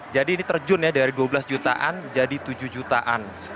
ini terjun ya dari dua belas jutaan jadi tujuh jutaan